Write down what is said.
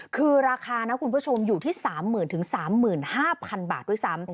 คือราคานะคุณผู้ชมอยู่ที่๓๐๐๐๓๕๐๐๐บาทด้วยซ้ำ